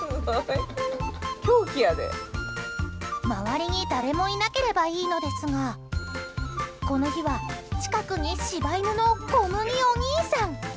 周りに誰もいなければいいのですがこの日は、近くに柴犬のこむぎお兄さん。